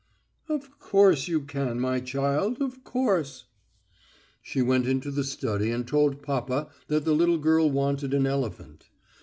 "Of course you can, my child, of course." She went into the study and told papa that the little girl wanted an elephant.